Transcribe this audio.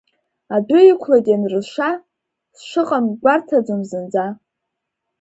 Адәы иқәлеит ианрызша, сшыҟамгь гәарҭаӡом зынӡа.